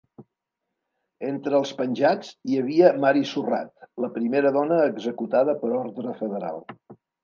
Entre els penjats hi havia Mary Surratt, la primera dona executada per ordre federal.